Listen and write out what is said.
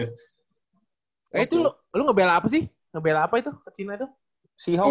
eh itu lu ngebella apa sih ngebella apa itu ke china tuh